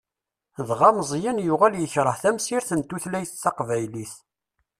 Dɣa Meẓyan yuɣal yekreh tamsirt n tutlayt taqbaylit.